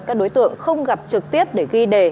các đối tượng không gặp trực tiếp để ghi đề